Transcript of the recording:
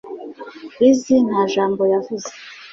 Lizzie nta jambo yavuze